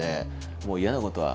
もう嫌なことは。